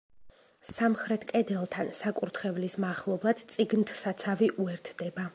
სამხრეთ კედელთან, საკურთხევლის მახლობლად წიგნთსაცავი უერთდება.